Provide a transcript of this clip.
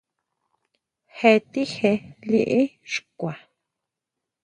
Jetije liʼí xkua.